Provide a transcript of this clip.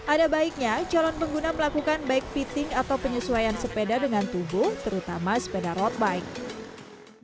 ada baiknya calon pengguna melakukan bike fitting atau penyesuaian sepeda dengan tubuh terutama sepeda road bike